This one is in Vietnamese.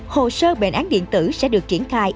hồ sơ bệnh án điện tử sẽ được triển khai